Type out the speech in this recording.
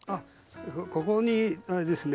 ここにあれですね